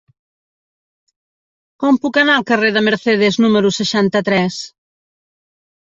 Com puc anar al carrer de Mercedes número seixanta-tres?